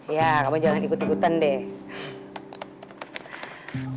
ya kamu jangan ikut ikutan deh